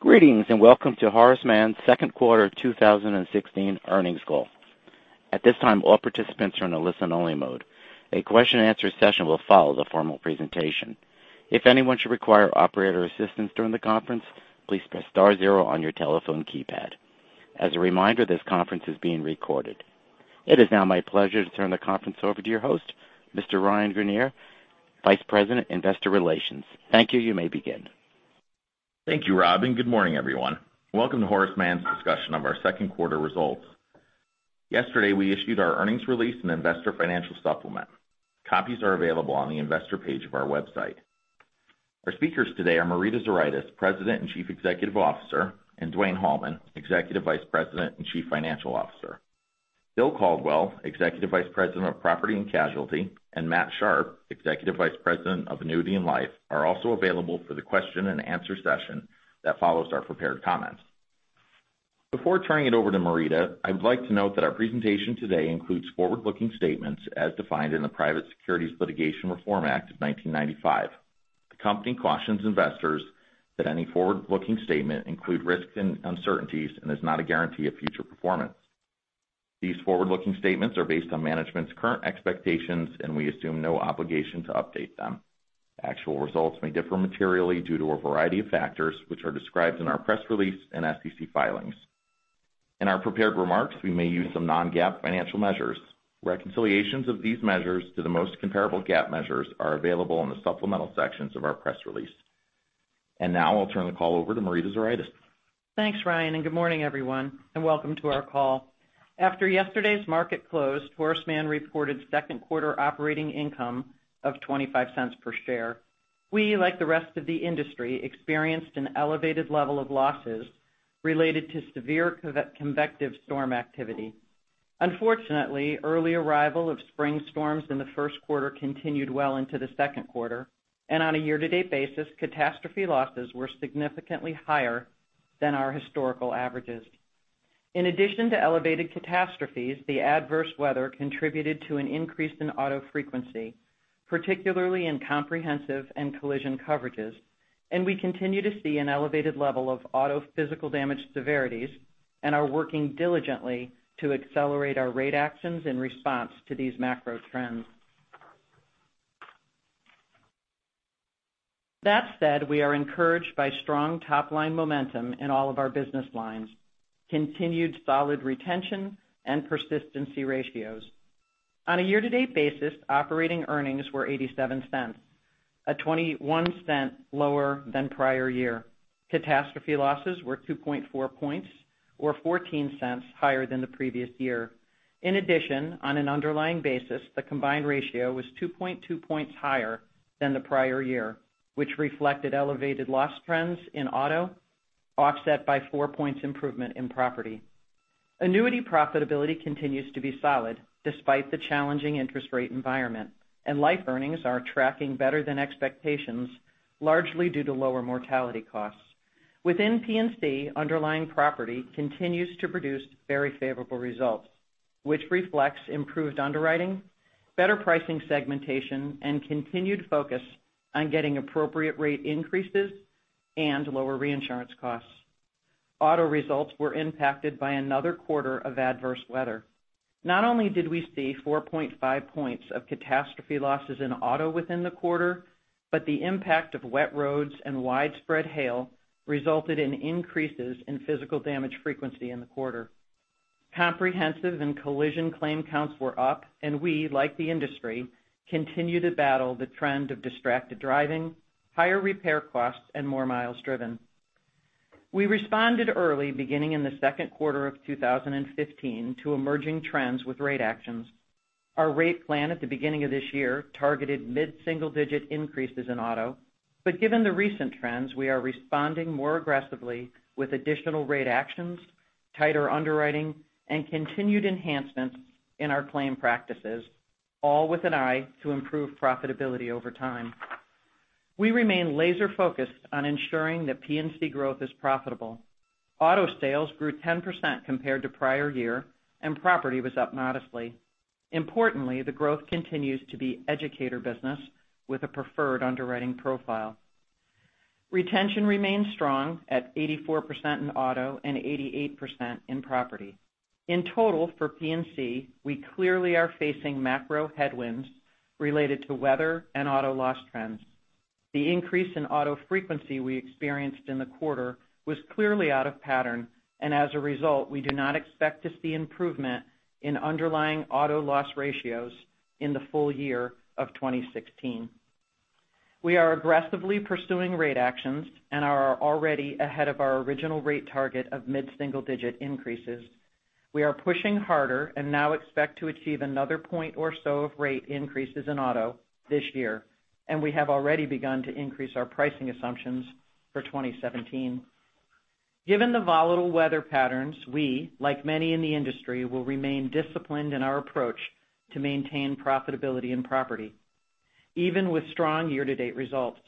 Greetings, welcome to Horace Mann's second quarter 2016 earnings call. At this time, all participants are in a listen-only mode. A question and answer session will follow the formal presentation. If anyone should require operator assistance during the conference, please press star zero on your telephone keypad. As a reminder, this conference is being recorded. It is now my pleasure to turn the conference over to your host, Mr. Ryan Grenier, Vice President, Investor Relations. Thank you. You may begin. Thank you, Rob, good morning, everyone. Welcome to Horace Mann's discussion of our second quarter results. Yesterday, we issued our earnings release and investor financial supplement. Copies are available on the investor page of our website. Our speakers today are Marita Zuraitis, President and Chief Executive Officer, Dwayne Hallman, Executive Vice President and Chief Financial Officer. Bill Caldwell, Executive Vice President of Property and Casualty, and Matt Sharp, Executive Vice President of Annuity and Life, are also available for the question and answer session that follows our prepared comments. Before turning it over to Marita, I'd like to note that our presentation today includes forward-looking statements as defined in the Private Securities Litigation Reform Act of 1995. The company cautions investors that any forward-looking statement include risks and uncertainties and is not a guarantee of future performance. These forward-looking statements are based on management's current expectations, we assume no obligation to update them. Actual results may differ materially due to a variety of factors, which are described in our press release and SEC filings. In our prepared remarks, we may use some non-GAAP financial measures. Reconciliations of these measures to the most comparable GAAP measures are available in the supplemental sections of our press release. Now I'll turn the call over to Marita Zuraitis. Thanks, Ryan, good morning, everyone, welcome to our call. After yesterday's market close, Horace Mann reported second quarter operating income of $0.25 per share. We, like the rest of the industry, experienced an elevated level of losses related to severe convective storm activity. Unfortunately, early arrival of spring storms in the first quarter continued well into the second quarter, on a year-to-date basis, catastrophe losses were significantly higher than our historical averages. In addition to elevated catastrophes, the adverse weather contributed to an increase in auto frequency, particularly in comprehensive and collision coverages, we continue to see an elevated level of auto physical damage severities and are working diligently to accelerate our rate actions in response to these macro trends. That said, we are encouraged by strong top-line momentum in all of our business lines, continued solid retention, and persistency ratios. On a year-to-date basis, operating earnings were $0.87, at $0.21 lower than prior year. Catastrophe losses were 2.4 points or $0.14 higher than the previous year. In addition, on an underlying basis, the combined ratio was 2.2 points higher than the prior year, which reflected elevated loss trends in auto, offset by four points improvement in property. Annuity profitability continues to be solid despite the challenging interest rate environment, and life earnings are tracking better than expectations, largely due to lower mortality costs. Within P&C, underlying property continues to produce very favorable results, which reflects improved underwriting, better pricing segmentation, and continued focus on getting appropriate rate increases and lower reinsurance costs. Auto results were impacted by another quarter of adverse weather. Not only did we see 4.5 points of catastrophe losses in auto within the quarter, but the impact of wet roads and widespread hail resulted in increases in physical damage frequency in the quarter. Comprehensive and collision claim counts were up, and we, like the industry, continue to battle the trend of distracted driving, higher repair costs, and more miles driven. We responded early, beginning in the second quarter of 2015 to emerging trends with rate actions. Our rate plan at the beginning of this year targeted mid-single-digit increases in auto. Given the recent trends, we are responding more aggressively with additional rate actions, tighter underwriting, and continued enhancements in our claim practices, all with an eye to improve profitability over time. We remain laser-focused on ensuring that P&C growth is profitable. Auto sales grew 10% compared to prior year, and property was up modestly. Importantly, the growth continues to be educator business with a preferred underwriting profile. Retention remains strong at 84% in auto and 88% in property. In total for P&C, we clearly are facing macro headwinds related to weather and auto loss trends. The increase in auto frequency we experienced in the quarter was clearly out of pattern, and as a result, we do not expect to see improvement in underlying auto loss ratios in the full year of 2016. We are aggressively pursuing rate actions and are already ahead of our original rate target of mid-single-digit increases. We are pushing harder and now expect to achieve another point or so of rate increases in auto this year, and we have already begun to increase our pricing assumptions for 2017. Given the volatile weather patterns, we, like many in the industry, will remain disciplined in our approach to maintain profitability in property. Even with strong year-to-date results,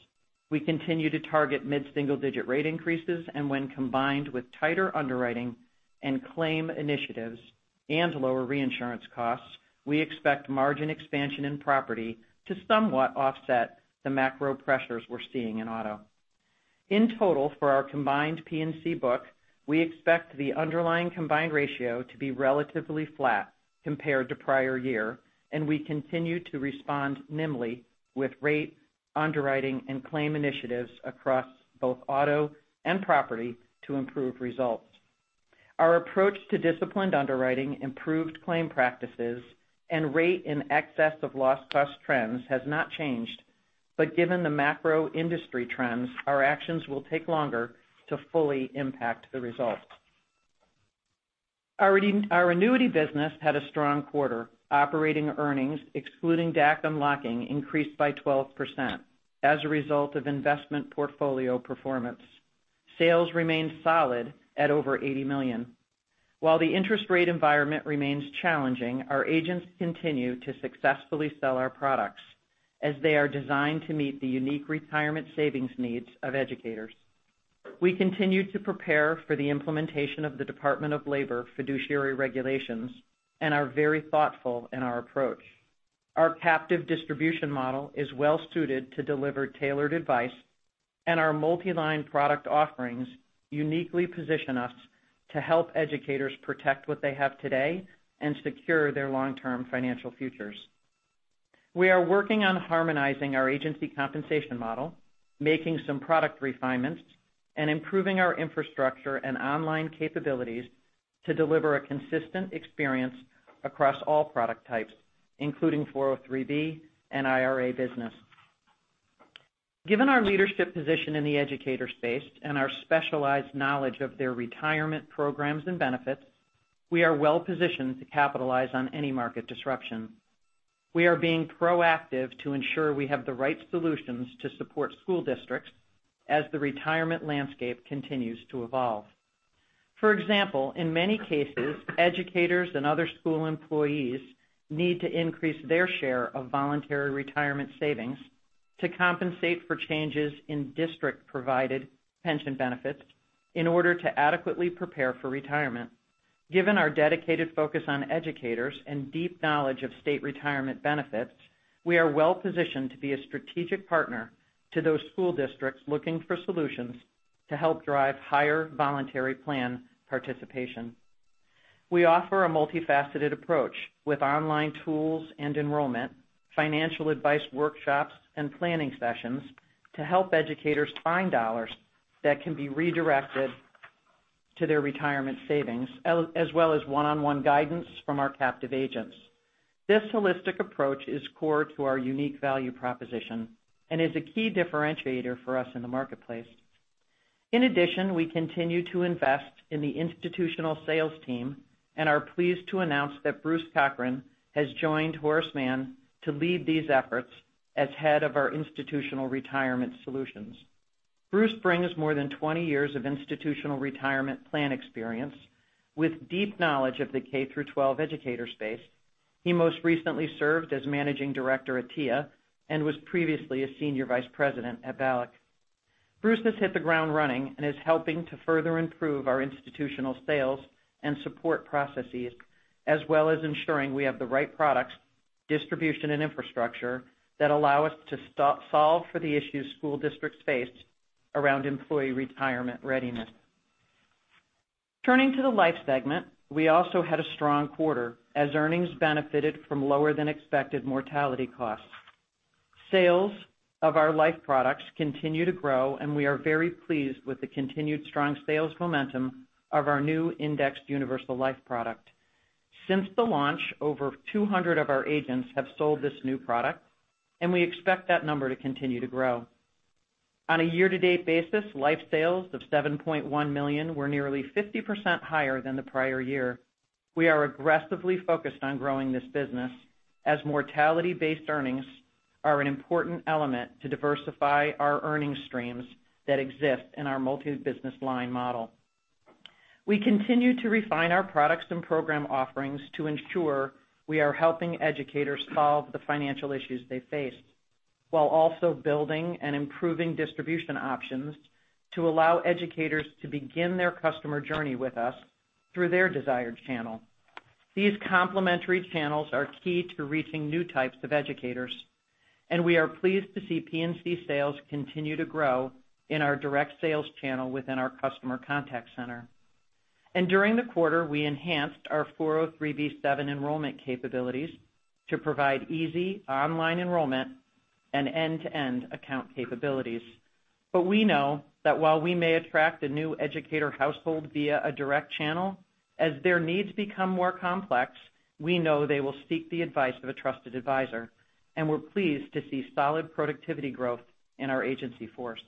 we continue to target mid-single-digit rate increases, and when combined with tighter underwriting and claim initiatives and lower reinsurance costs, we expect margin expansion in property to somewhat offset the macro pressures we're seeing in auto. In total, for our combined P&C book, we expect the underlying combined ratio to be relatively flat compared to prior year, and we continue to respond nimbly with rate, underwriting, and claim initiatives across both auto and property to improve results. Our approach to disciplined underwriting, improved claim practices, and rate in excess of loss cost trends has not changed. Given the macro industry trends, our actions will take longer to fully impact the results. Our annuity business had a strong quarter. Operating earnings, excluding DAC unlocking, increased by 12% as a result of investment portfolio performance. Sales remained solid at over $80 million. While the interest rate environment remains challenging, our agents continue to successfully sell our products as they are designed to meet the unique retirement savings needs of educators. We continue to prepare for the implementation of the Department of Labor fiduciary regulations and are very thoughtful in our approach. Our captive distribution model is well suited to deliver tailored advice, and our multiline product offerings uniquely position us to help educators protect what they have today and secure their long-term financial futures. We are working on harmonizing our agency compensation model, making some product refinements, and improving our infrastructure and online capabilities to deliver a consistent experience across all product types, including 403 and IRA business. Given our leadership position in the educator space and our specialized knowledge of their retirement programs and benefits, we are well-positioned to capitalize on any market disruption. We are being proactive to ensure we have the right solutions to support school districts as the retirement landscape continues to evolve. For example, in many cases, educators and other school employees need to increase their share of voluntary retirement savings to compensate for changes in district-provided pension benefits in order to adequately prepare for retirement. Given our dedicated focus on educators and deep knowledge of state retirement benefits, we are well-positioned to be a strategic partner to those school districts looking for solutions to help drive higher voluntary plan participation. We offer a multifaceted approach with online tools and enrollment, financial advice workshops, and planning sessions to help educators find dollars that can be redirected to their retirement savings, as well as one-on-one guidance from our captive agents. This holistic approach is core to our unique value proposition and is a key differentiator for us in the marketplace. In addition, we continue to invest in the institutional sales team and are pleased to announce that Bruce Cochran has joined Horace Mann to lead these efforts as head of our institutional retirement solutions. Bruce brings more than 20 years of institutional retirement plan experience with deep knowledge of the K through 12 educator space. He most recently served as managing director at TIAA and was previously a senior vice president at VALIC. Bruce has hit the ground running and is helping to further improve our institutional sales and support processes, as well as ensuring we have the right products, distribution, and infrastructure that allow us to solve for the issues school districts face around employee retirement readiness. Turning to the life segment, we also had a strong quarter as earnings benefited from lower than expected mortality costs. Sales of our life products continue to grow, and we are very pleased with the continued strong sales momentum of our new Indexed Universal Life product. Since the launch, over 200 of our agents have sold this new product, and we expect that number to continue to grow. On a year-to-date basis, life sales of $7.1 million were nearly 50% higher than the prior year. We are aggressively focused on growing this business as mortality-based earnings are an important element to diversify our earning streams that exist in our multi-business line model. We continue to refine our products and program offerings to ensure we are helping educators solve the financial issues they face, while also building and improving distribution options to allow educators to begin their customer journey with us through their desired channel. These complementary channels are key to reaching new types of educators, we are pleased to see P&C sales continue to grow in our direct sales channel within our customer contact center. During the quarter, we enhanced our 403(b)(7) enrollment capabilities to provide easy online enrollment and end-to-end account capabilities. We know that while we may attract a new educator household via a direct channel, as their needs become more complex, we know they will seek the advice of a trusted advisor, and we're pleased to see solid productivity growth in our agency force.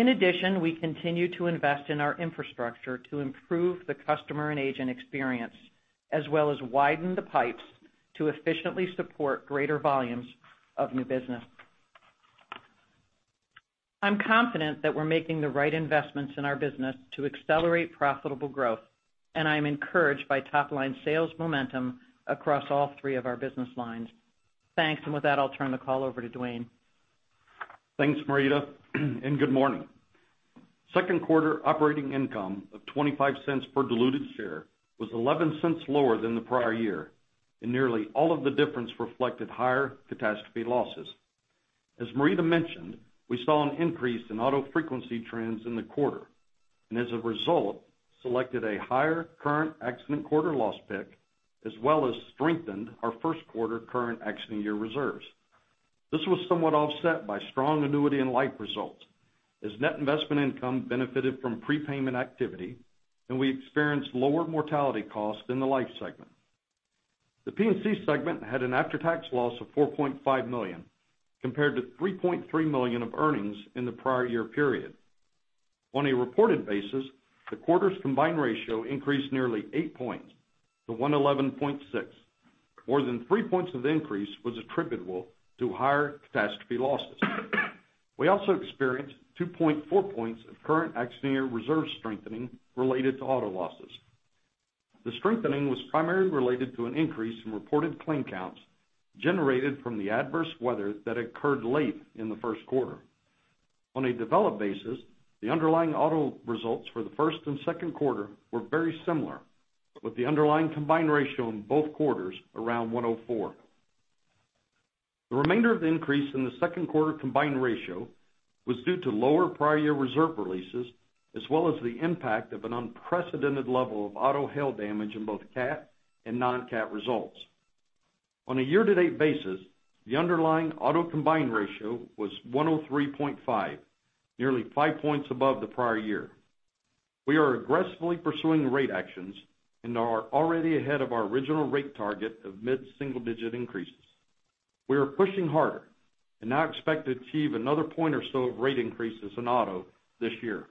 In addition, we continue to invest in our infrastructure to improve the customer and agent experience, as well as widen the pipes to efficiently support greater volumes of new business. I'm confident that we're making the right investments in our business to accelerate profitable growth, I am encouraged by top-line sales momentum across all three of our business lines. Thanks. With that, I'll turn the call over to Dwayne. Thanks, Marita. Good morning. Second quarter operating income of $0.25 per diluted share was $0.11 lower than the prior year, and nearly all of the difference reflected higher catastrophe losses. As Marita mentioned, we saw an increase in auto frequency trends in the quarter, as a result, selected a higher current accident quarter loss pick, as well as strengthened our first quarter current accident year reserves. This was somewhat offset by strong annuity and life results, as net investment income benefited from prepayment activity, we experienced lower mortality costs in the life segment. The P&C segment had an after-tax loss of $4.5 million, compared to $3.3 million of earnings in the prior year period. On a reported basis, the quarter's combined ratio increased nearly 8 points to 111.6. More than 3 points of the increase was attributable to higher catastrophe losses. We also experienced 2.4 points of current accident year reserve strengthening related to auto losses. The strengthening was primarily related to an increase in reported claim counts generated from the adverse weather that occurred late in the first quarter. On a developed basis, the underlying auto results for the first and second quarter were very similar, with the underlying combined ratio in both quarters around 104. The remainder of the increase in the second quarter combined ratio was due to lower prior year reserve releases, as well as the impact of an unprecedented level of auto hail damage in both cat and non-cat results. On a year-to-date basis, the underlying auto combined ratio was 103.5, nearly 5 points above the prior year. We are aggressively pursuing rate actions and are already ahead of our original rate target of mid-single-digit increases. We are pushing harder and now expect to achieve another one or so points of rate increases in auto this year.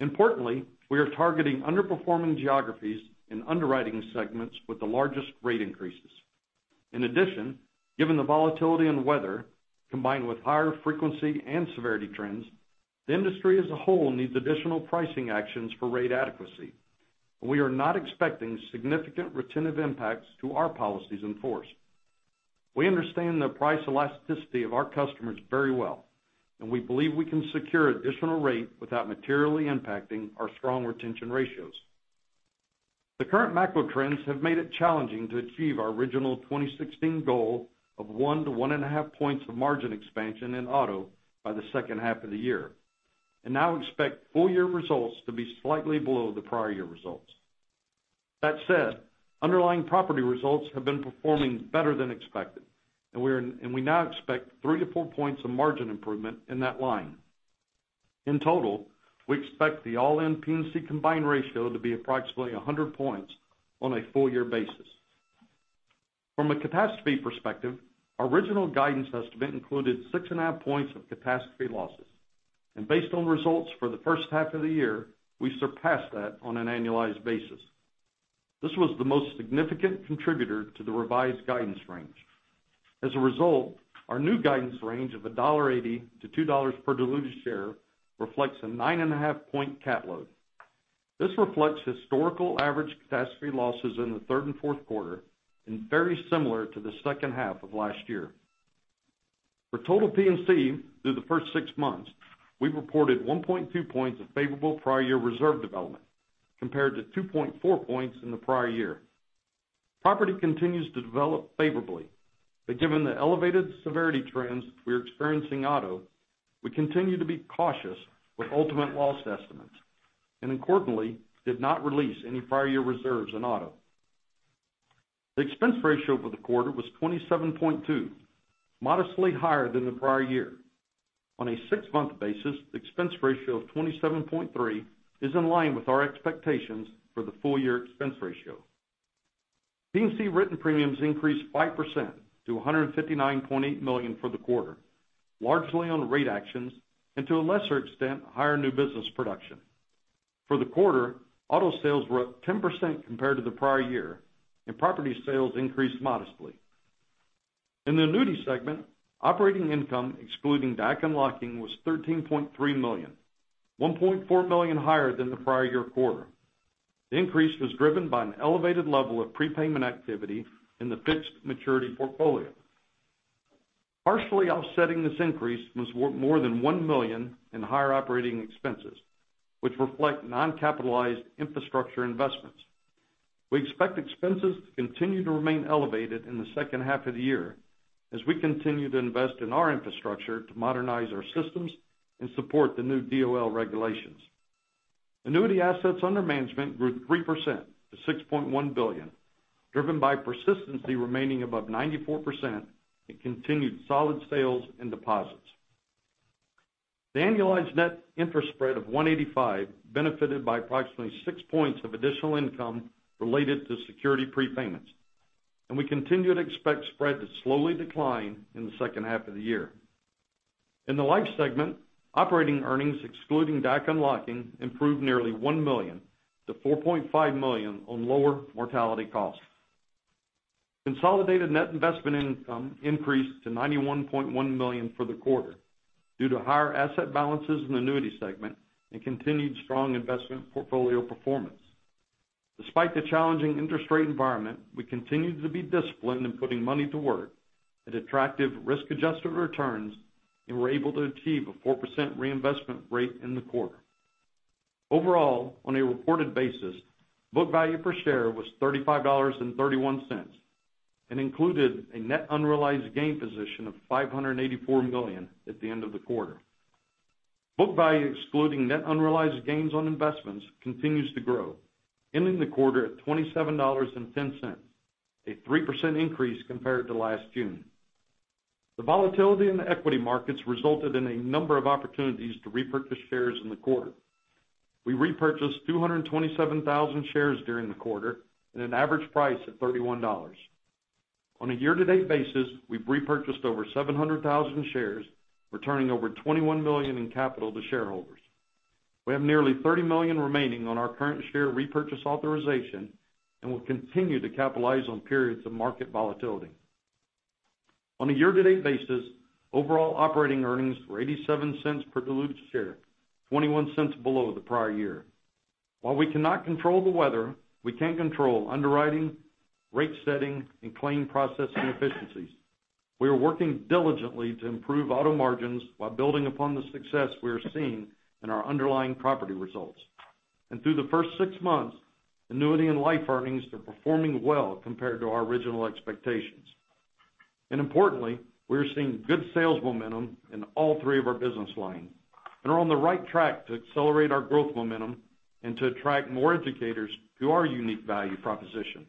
Importantly, we are targeting underperforming geographies and underwriting segments with the largest rate increases. In addition, given the volatility in weather, combined with higher frequency and severity trends, the industry as a whole needs additional pricing actions for rate adequacy. We are not expecting significant retentive impacts to our policies in force. We understand the price elasticity of our customers very well, and we believe we can secure additional rate without materially impacting our strong retention ratios. The current macro trends have made it challenging to achieve our original 2016 goal of 1 to 1.5 points of margin expansion in auto by the second half of the year. Now expect full year results to be slightly below the prior year results. That said, underlying property results have been performing better than expected, and we now expect 3 to 4 points of margin improvement in that line. In total, we expect the all-in P&C combined ratio to be approximately 100 points on a full year basis. From a catastrophe perspective, our original guidance estimate included 6.5 points of catastrophe losses. Based on results for the first half of the year, we surpassed that on an annualized basis. This was the most significant contributor to the revised guidance range. As a result, our new guidance range of $1.80 to $2 per diluted share reflects a 9.5 point cat load. This reflects historical average catastrophe losses in the third and fourth quarter, and very similar to the second half of last year. For total P&C through the first six months, we reported 1.2 points of favorable prior year reserve development, compared to 2.4 points in the prior year. Property continues to develop favorably, but given the elevated severity trends we're experiencing auto, we continue to be cautious with ultimate loss estimates, and importantly, did not release any prior year reserves in auto. The expense ratio for the quarter was 27.2, modestly higher than the prior year. On a six-month basis, the expense ratio of 27.3 is in line with our expectations for the full year expense ratio. P&C written premiums increased 5% to $159.8 million for the quarter, largely on rate actions, and to a lesser extent, higher new business production. For the quarter, auto sales were up 10% compared to the prior year, and property sales increased modestly. In the annuity segment, operating income excluding DAC unlocking was $13.3 million, $1.4 million higher than the prior year quarter. The increase was driven by an elevated level of prepayment activity in the fixed maturity portfolio. Partially offsetting this increase was more than $1 million in higher operating expenses, which reflect non-capitalized infrastructure investments. We expect expenses to continue to remain elevated in the second half of the year as we continue to invest in our infrastructure to modernize our systems and support the new DOL regulations. Annuity assets under management grew 3% to $6.1 billion, driven by persistency remaining above 94% and continued solid sales and deposits. The annualized net interest spread of 185 benefited by approximately 6 points of additional income related to security prepayments, and we continue to expect spread to slowly decline in the second half of the year. In the life segment, operating earnings excluding DAC unlocking improved nearly $1 million to $4.5 million on lower mortality costs. Consolidated net investment income increased to $91.1 million for the quarter due to higher asset balances in the annuity segment and continued strong investment portfolio performance. Despite the challenging interest rate environment, we continued to be disciplined in putting money to work at attractive risk-adjusted returns, and were able to achieve a 4% reinvestment rate in the quarter. Overall, on a reported basis, book value per share was $35.31, and included a net unrealized gain position of $584 million at the end of the quarter. Book value, excluding net unrealized gains on investments, continues to grow, ending the quarter at $27.10, a 3% increase compared to last June. The volatility in the equity markets resulted in a number of opportunities to repurchase shares in the quarter. We repurchased 227,000 shares during the quarter at an average price of $31. On a year-to-date basis, we've repurchased over 700,000 shares, returning over $21 million in capital to shareholders. We have nearly $30 million remaining on our current share repurchase authorization, and will continue to capitalize on periods of market volatility. On a year-to-date basis, overall operating earnings were $0.87 per diluted share, $0.21 below the prior year. While we cannot control the weather, we can control underwriting, rate setting, and claim processing efficiencies. We are working diligently to improve auto margins while building upon the success we are seeing in our underlying property results. Through the first six months, annuity and life earnings are performing well compared to our original expectations. Importantly, we are seeing good sales momentum in all three of our business lines and are on the right track to accelerate our growth momentum and to attract more educators to our unique value proposition.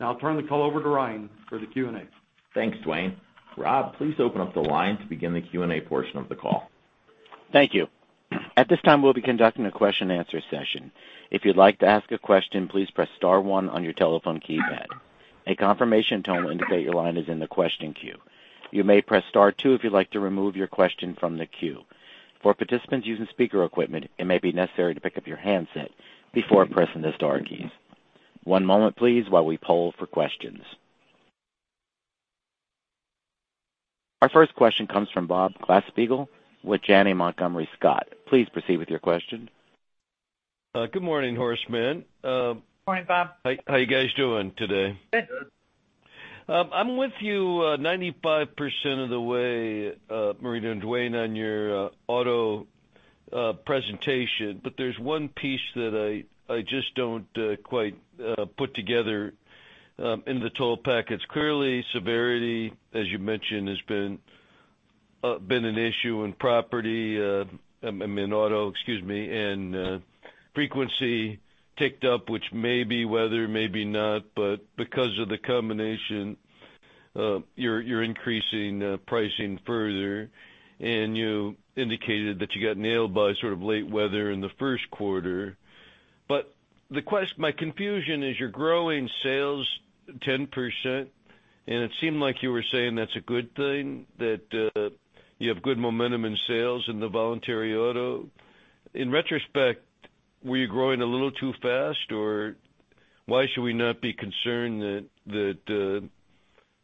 Now I'll turn the call over to Ryan for the Q&A. Thanks, Dwayne. Rob, please open up the line to begin the Q&A portion of the call. Thank you. At this time, we'll be conducting a question and answer session. If you'd like to ask a question, please press *1 on your telephone keypad. A confirmation tone will indicate your line is in the question queue. You may press *2 if you'd like to remove your question from the queue. For participants using speaker equipment, it may be necessary to pick up your handset before pressing the star keys. One moment please while we poll for questions. Our first question comes from Robert Glasspiegel with Janney Montgomery Scott. Please proceed with your question. Good morning, Horace Mann. Good morning, Bob. How you guys doing today? Good. I'm with you 95% of the way, Marita Zuraitis and Dwayne Hallman, on your auto presentation, there's one piece that I just don't quite put together in the total package. Clearly, severity, as you mentioned, has been an issue in auto, and frequency ticked up, which may be weather, may be not, because of the combination, you're increasing pricing further, and you indicated that you got nailed by sort of late weather in the first quarter. My confusion is you're growing sales 10%, and it seemed like you were saying that's a good thing, that you have good momentum in sales in the voluntary auto. In retrospect, were you growing a little too fast, or why should we not be concerned that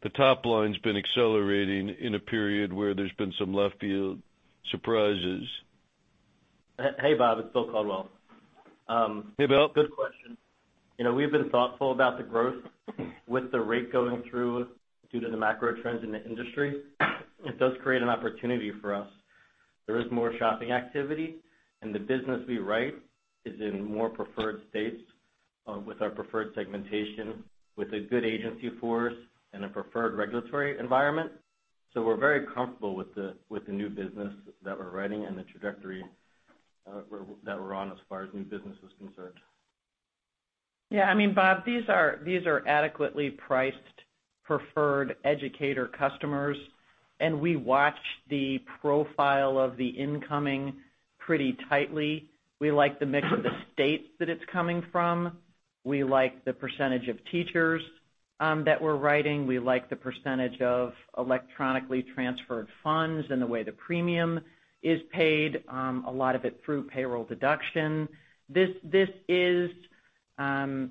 the top line's been accelerating in a period where there's been some left field surprises? Hey, Robert Glasspiegel, it's William Caldwell. Hey, William Caldwell. Good question. We've been thoughtful about the growth with the rate going through due to the macro trends in the industry. It does create an opportunity for us. There is more shopping activity, and the business we write is in more preferred states with our preferred segmentation, with a good agency force and a preferred regulatory environment. We're very comfortable with the new business that we're writing and the trajectory that we're on as far as new business is concerned. Yeah, Bob, these are adequately priced, preferred educator customers. We watch the profile of the incoming pretty tightly. We like the mix of the states that it's coming from. We like the percentage of teachers that we're writing. We like the percentage of electronically transferred funds and the way the premium is paid, a lot of it through payroll deduction. This is the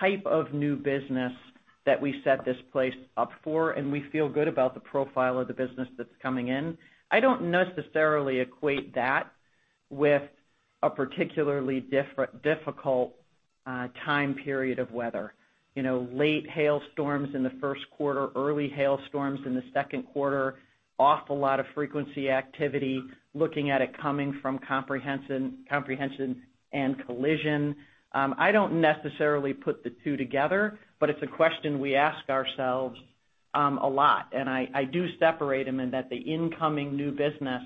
type of new business that we set this place up for. We feel good about the profile of the business that's coming in. I don't necessarily equate that with a particularly difficult time period of weather. Late hailstorms in the first quarter, early hailstorms in the second quarter, awful lot of frequency activity, looking at it coming from comprehensive and collision. I don't necessarily put the two together. It's a question we ask ourselves a lot. I do separate them in that the incoming new business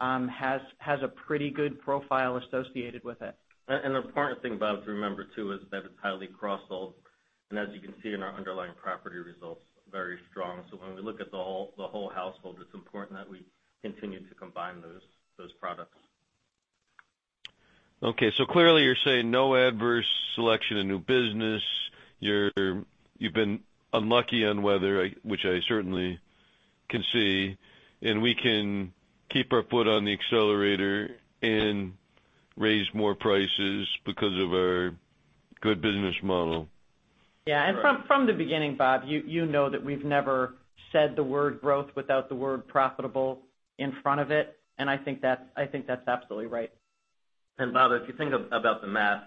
has a pretty good profile associated with it. The important thing, Bob, to remember, too, is that it's highly cross-sold. As you can see in our underlying property results, very strong. When we look at the whole household, it's important that we continue to combine those products. Okay. Clearly you're saying no adverse selection of new business. You've been unlucky on weather, which I certainly can see. We can keep our foot on the accelerator and raise more prices because of our good business model. From the beginning, Bob, you know that we've never said the word growth without the word profitable in front of it. I think that's absolutely right. Bob, if you think about the math,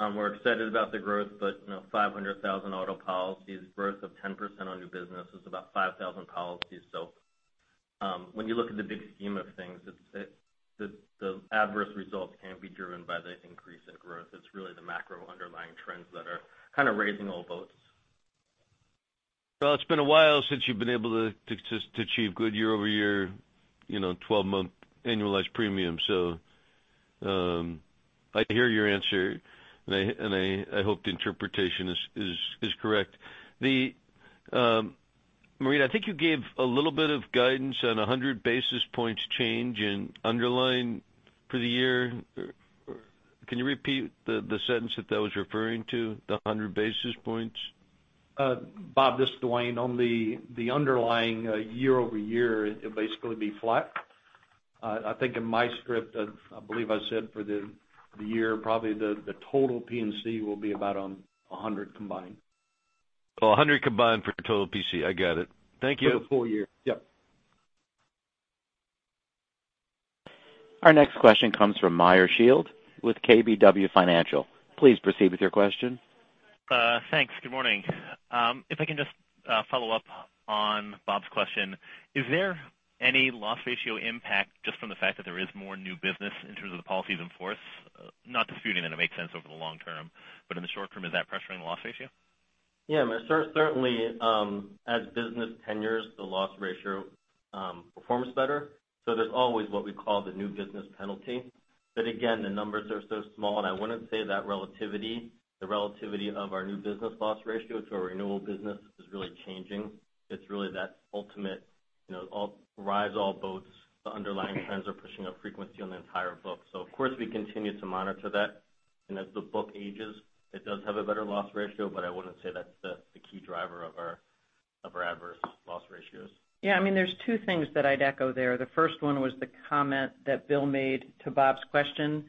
we're excited about the growth, but 500,000 auto policies, growth of 10% on new business is about 5,000 policies. When you look at the big scheme of things, the adverse results can't be driven by the increase in growth. It's really the macro underlying trends that are kind of raising all boats. Well, it's been a while since you've been able to achieve good year-over-year, 12-month annualized premium. I hear your answer, and I hope the interpretation is correct. Maureen, I think you gave a little bit of guidance on 100 basis points change in underlying for the year. Can you repeat the sentence that that was referring to, the 100 basis points? Bob, this is Dwayne. On the underlying year-over-year, it'd basically be flat. I think in my script, I believe I said for the year, probably the total P&C will be about 100 combined. 100 combined for total P&C. I get it. Thank you. For the full year. Yep. Our next question comes from Meyer Shields with KBW Financial. Please proceed with your question. Thanks. Good morning. If I can just follow up on Bob's question, is there any loss ratio impact just from the fact that there is more new business in terms of the policies in force? Not disputing that it makes sense over the long term, but in the short term, is that pressuring the loss ratio? Meyer. Certainly, as business tenures, the loss ratio performs better. There's always what we call the new business penalty. Again, the numbers are so small. I wouldn't say that relativity, the relativity of our new business loss ratio to our renewal business is really changing. It's really that ultimate rise all boats. The underlying trends are pushing up frequency on the entire book. Of course, we continue to monitor that. As the book ages, it does have a better loss ratio. I wouldn't say that's the key driver of our adverse loss ratios. There's two things that I'd echo there. The first one was the comment that Bill made to Bob's question,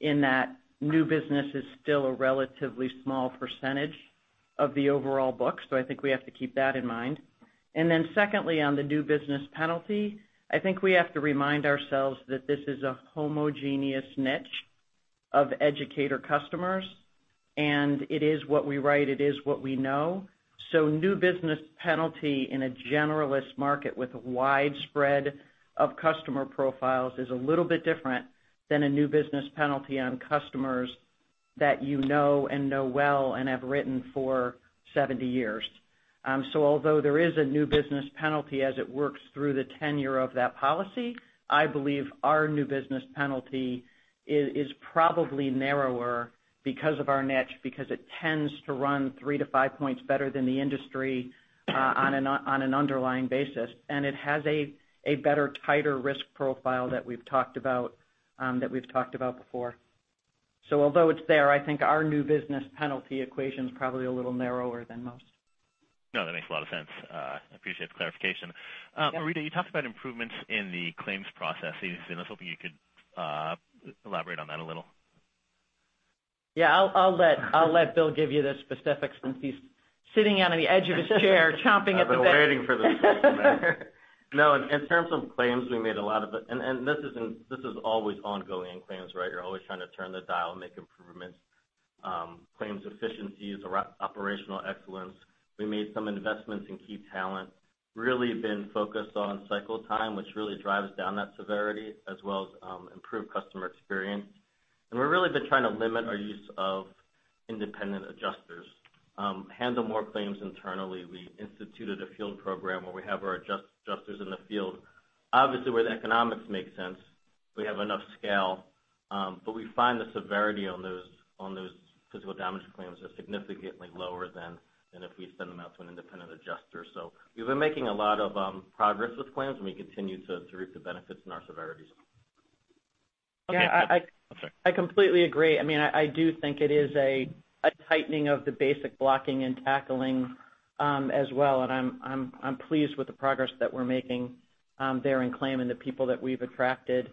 in that new business is still a relatively small percentage of the overall book. I think we have to keep that in mind. Secondly, on the new business penalty, I think we have to remind ourselves that this is a homogeneous niche of educator customers. It is what we write, it is what we know. New business penalty in a generalist market with a wide spread of customer profiles is a little bit different than a new business penalty on customers that you know and know well and have written for 70 years. Although there is a new business penalty as it works through the tenure of that policy, I believe our new business penalty is probably narrower because of our niche, because it tends to run 3 to 5 points better than the industry on an underlying basis. It has a better, tighter risk profile that we've talked about before. Although it's there, I think our new business penalty equation's probably a little narrower than most. That makes a lot of sense. Appreciate the clarification. Yep. Marita, you talked about improvements in the claims processes, I was hoping you could elaborate on that a little. Yeah, I'll let Bill give you the specifics since he's sitting on the edge of his chair, chomping at the bit. I've been waiting for this question. No, in terms of claims, we made a lot of it. This is always ongoing in claims, right? You're always trying to turn the dial and make improvements. Claims efficiencies, operational excellence. We made some investments in key talent, really been focused on cycle time, which really drives down that severity as well as improved customer experience. We've really been trying to limit our use of independent adjusters, handle more claims internally. We instituted a field program where we have our adjusters in the field. Obviously, where the economics make sense, we have enough scale. We find the severity on those physical damage claims are significantly lower than if we send them out to an independent adjuster. We've been making a lot of progress with claims, and we continue to reap the benefits in our severities. Okay. I'm sorry. I completely agree. I do think it is a tightening of the basic blocking and tackling as well. I'm pleased with the progress that we're making there in claim and the people that we've attracted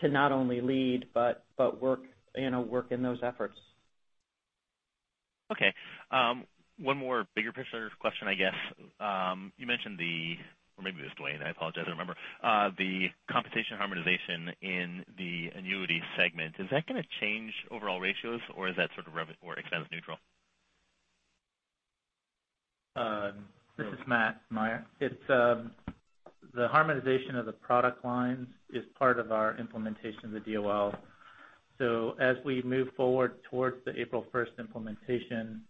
to not only lead but work in those efforts. Okay. One more bigger picture question, I guess. You mentioned or maybe it was Dwayne, I apologize, I don't remember. The compensation harmonization in the annuity segment. Is that going to change overall ratios, or is that sort of revenue or expense neutral? This is Matt, Meyer. The harmonization of the product lines is part of our implementation of the DOL. As we move forward towards the April 1st implementation,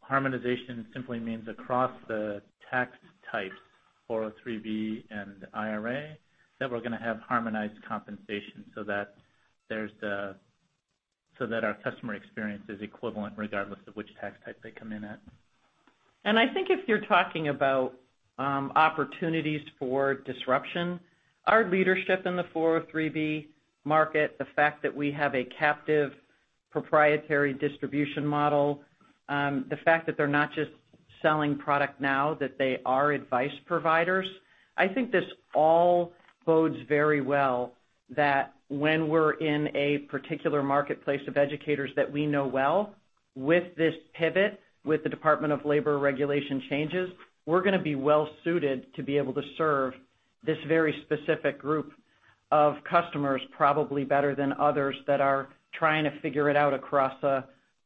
harmonization simply means across the tax types, 403 and IRA, that we're going to have harmonized compensation so that our customer experience is equivalent regardless of which tax type they come in at. I think if you're talking about opportunities for disruption, our leadership in the 403 market, the fact that we have a captive proprietary distribution model, the fact that they're not just selling product now that they are advice providers. I think this all bodes very well that when we're in a particular marketplace of educators that we know well, with this pivot, with the Department of Labor regulation changes, we're going to be well suited to be able to serve this very specific group of customers, probably better than others that are trying to figure it out across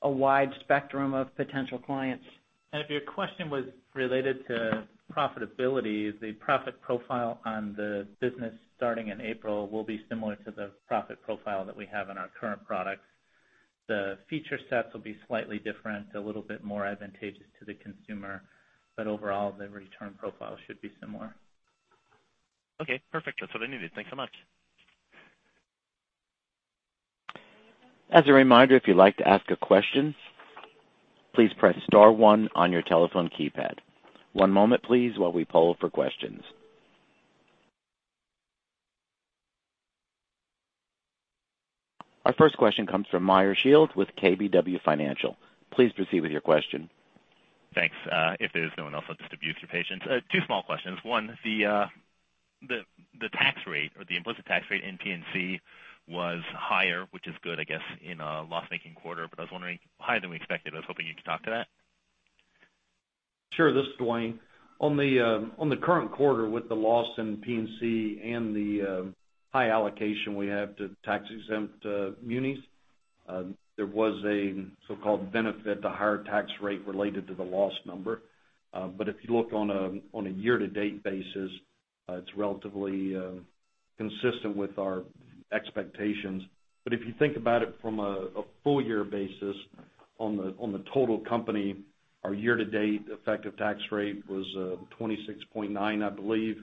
a wide spectrum of potential clients. If your question was related to profitability, the profit profile on the business starting in April will be similar to the profit profile that we have on our current products. The feature sets will be slightly different, a little bit more advantageous to the consumer, Overall, the return profile should be similar. Okay, perfect. That's what I needed. Thanks so much. As a reminder, if you'd like to ask a question, please press star one on your telephone keypad. One moment please while we poll for questions. Our first question comes from Meyer Shields with KBW Financial. Please proceed with your question. Thanks. If there's no one else, I'll just abuse your patience. Two small questions. One, the tax rate or the implicit tax rate in P&C was higher, which is good, I guess, in a loss-making quarter. I was wondering, higher than we expected. I was hoping you could talk to that. Sure. This is Dwayne. On the current quarter with the loss in P&C and the high allocation we have to tax-exempt munis, there was a so-called benefit to higher tax rate related to the loss number. If you look on a year-to-date basis, it's relatively consistent with our expectations. If you think about it from a full-year basis on the total company, our year-to-date effective tax rate was 26.9, I believe,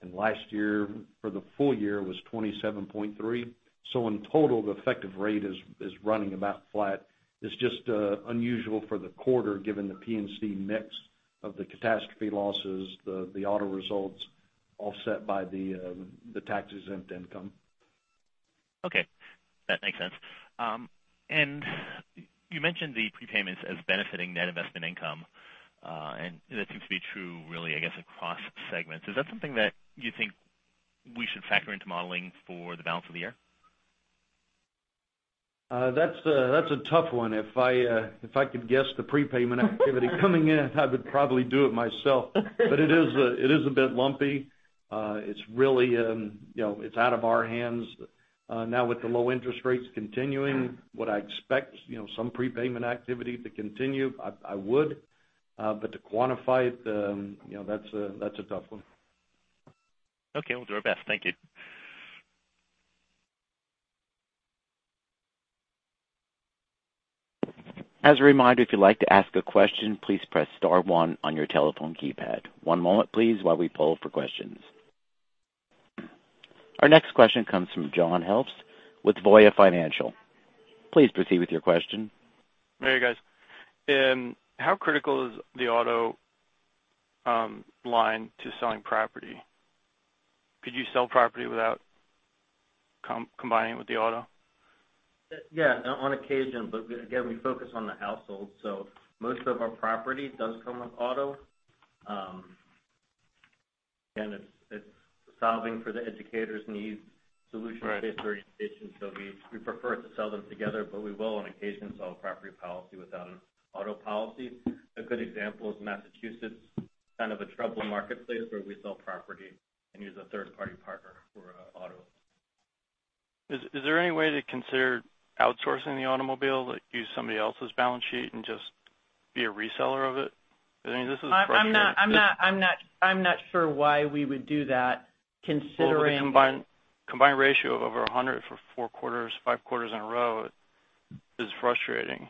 and last year for the full year was 27.3. In total, the effective rate is running about flat. It's just unusual for the quarter, given the P&C mix of the catastrophe losses, the auto results offset by the tax-exempt income. Okay. That makes sense. You mentioned the prepayments as benefiting net investment income. That seems to be true really, I guess, across segments. Is that something that you think we should factor into modeling for the balance of the year? That's a tough one. If I could guess the prepayment activity coming in, I would probably do it myself. It is a bit lumpy. It's out of our hands. Now with the low interest rates continuing, would I expect some prepayment activity to continue? I would. To quantify it, that's a tough one. Okay. We'll do our best. Thank you. As a reminder, if you'd like to ask a question, please press star one on your telephone keypad. One moment, please, while we poll for questions. Our next question comes from John Helps with Voya Financial. Please proceed with your question. Hey, guys. How critical is the auto line to selling property? Could you sell property without combining with the auto? Yeah, on occasion, but again, we focus on the household, so most of our property does come with auto. Again, it's solving for the educator's needs, solution-based orientation. We prefer to sell them together, but we will on occasion sell a property policy without an auto policy. A good example is Massachusetts, kind of a troubling marketplace where we sell property and use a third-party partner for auto. Is there any way to consider outsourcing the automobile, like use somebody else's balance sheet and just be a reseller of it? This is frustrating. I'm not sure why we would do that, considering- Well, the combined ratio of over 100 for four quarters, five quarters in a row is frustrating.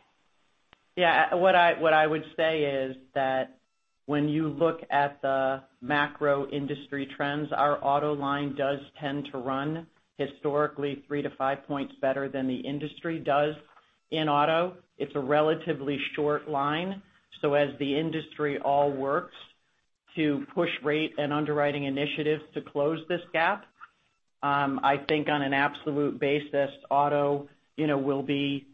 Yeah. What I would say is that when you look at the macro industry trends, our auto line does tend to run historically three to five points better than the industry does in auto. It's a relatively short line. As the industry all works to push rate and underwriting initiatives to close this gap, I think on an absolute basis, auto will be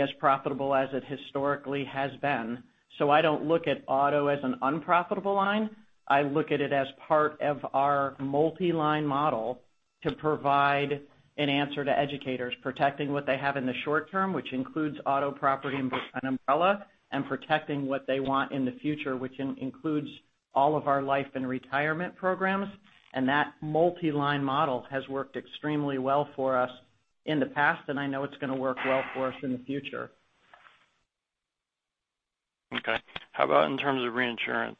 as profitable as it historically has been. I don't look at auto as an unprofitable line. I look at it as part of our multi-line model to provide an answer to educators protecting what they have in the short term, which includes auto, property, and umbrella, and protecting what they want in the future, which includes all of our life and retirement programs. That multi-line model has worked extremely well for us in the past, and I know it's going to work well for us in the future. Okay. How about in terms of reinsurance?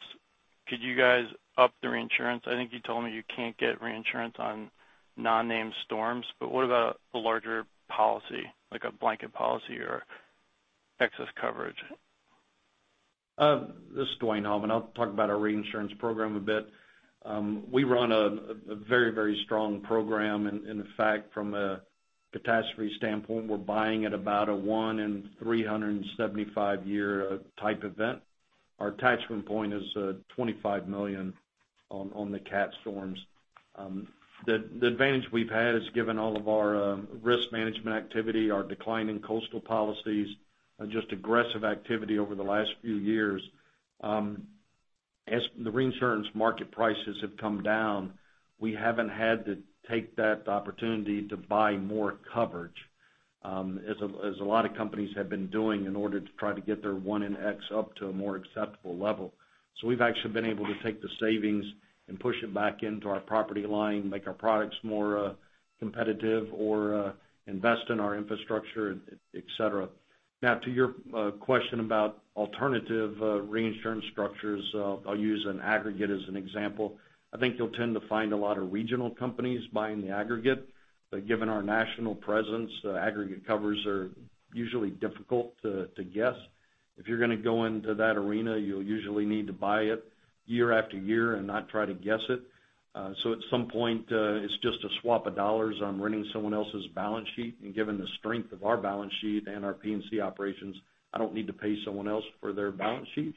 Could you guys up the reinsurance? I think you told me you can't get reinsurance on non-name storms, but what about a larger policy, like a blanket policy or excess coverage? This is Dwayne Hallman, I'll talk about our reinsurance program a bit. We run a very strong program. In fact, from a catastrophe standpoint, we're buying at about a 1 in 375 year type event. Our attachment point is $25 million on the cat storms. The advantage we've had is given all of our risk management activity, our decline in coastal policies, just aggressive activity over the last few years. As the reinsurance market prices have come down, we haven't had to take that opportunity to buy more coverage, as a lot of companies have been doing in order to try to get their 1 in X up to a more acceptable level. We've actually been able to take the savings and push it back into our property line, make our products more competitive or invest in our infrastructure, et cetera. Now to your question about alternative reinsurance structures, I'll use an aggregate as an example. I think you'll tend to find a lot of regional companies buying the aggregate. Given our national presence, aggregate covers are usually difficult to guess. If you're going to go into that arena, you'll usually need to buy it year after year and not try to guess it. At some point, it's just a swap of dollars on renting someone else's balance sheet. Given the strength of our balance sheet and our P&C operations, I don't need to pay someone else for their balance sheet.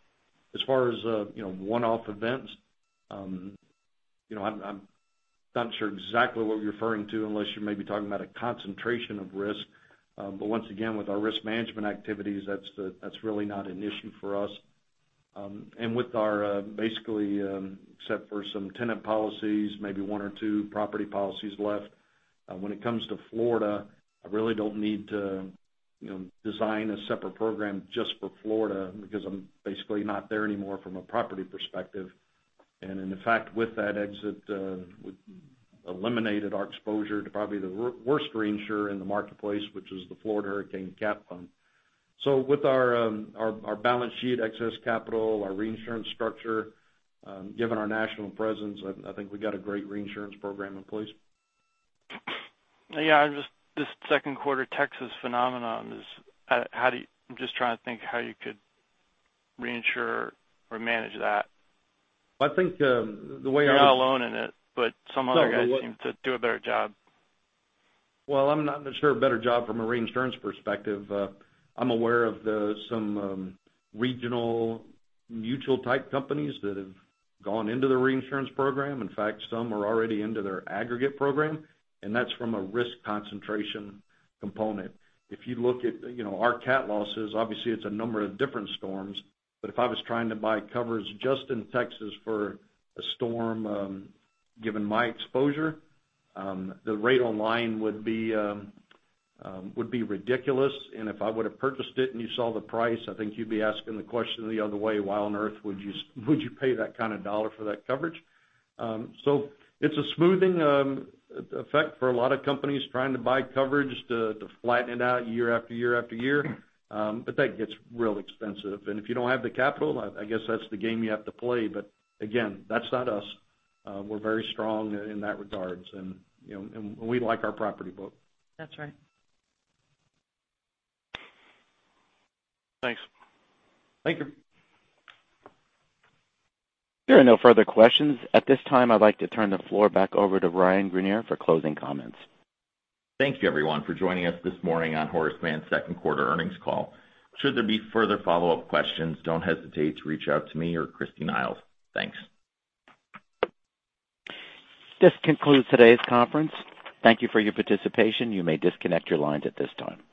As far as one-off events, I'm not sure exactly what you're referring to, unless you're maybe talking about a concentration of risk. Once again, with our risk management activities, that's really not an issue for us. With our basically, except for some tenant policies, maybe 1 or 2 property policies left. When it comes to Florida, I really don't need to design a separate program just for Florida because I'm basically not there anymore from a property perspective. In fact, with that exit, we eliminated our exposure to probably the worst reinsurer in the marketplace, which is the Florida Hurricane Catastrophe Fund. With our balance sheet, excess capital, our reinsurance structure, given our national presence, I think we've got a great reinsurance program in place. Yeah, just this second quarter Texas phenomenon is I'm just trying to think how you could reinsure or manage that. I think the way. You're not alone in it, some other guys seem to do a better job. Well, I'm not sure a better job from a reinsurance perspective. I'm aware of some regional mutual type companies that have gone into the reinsurance program. In fact, some are already into their aggregate program, that's from a risk concentration component. If you look at our cat losses, obviously it's a number of different storms. If I was trying to buy coverage just in Texas for a storm, given my exposure, the rate online would be ridiculous. If I would've purchased it and you saw the price, I think you'd be asking the question the other way, why on earth would you pay that kind of dollar for that coverage? It's a smoothing effect for a lot of companies trying to buy coverage to flatten it out year after year after year. That gets real expensive. If you don't have the capital, I guess that's the game you have to play. Again, that's not us. We're very strong in that regards and we like our property book. That's right. Thanks. Thank you. There are no further questions. At this time, I'd like to turn the floor back over to Ryan Greenier for closing comments. Thank you everyone for joining us this morning on Horace Mann's second quarter earnings call. Should there be further follow-up questions, don't hesitate to reach out to me or Christine Iles. Thanks. This concludes today's conference. Thank you for your participation. You may disconnect your lines at this time.